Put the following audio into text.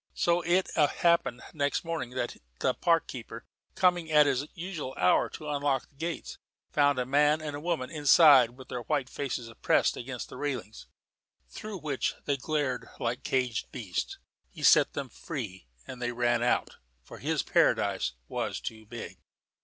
So it happened next morning that the park keeper, coming at his usual hour to unlock the gates, found a man and a woman inside with their white faces pressed against the railings, through which they glared like caged beasts. He set them free, and they ran out, for his paradise was too big.